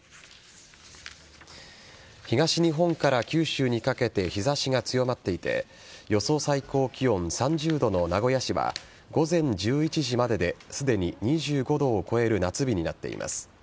東日本から九州にかけて日差しが強まっていて予想最高気温３０度の名古屋市は午前１１時までですでに２５度を超える夏日になっています。